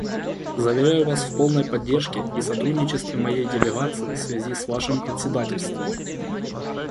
Заверяю вас в полной поддержке и сотрудничестве моей делегации в связи с вашим председательством.